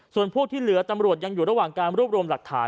ส่วนพวกที่เหลือตำรวจยังอยู่ระหว่างการรวบรวมหลักฐาน